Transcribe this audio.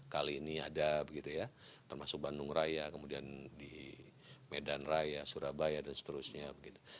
kali ini ada begitu ya termasuk bandung raya kemudian di medan raya surabaya dan seterusnya begitu